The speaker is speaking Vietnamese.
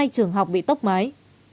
hai trường học bị tốc mái